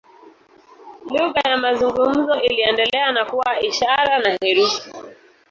Lugha ya mazungumzo iliendelea na kuwa ishara na herufi.